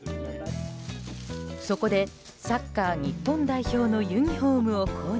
そこで、サッカー日本代表のユニホームを購入。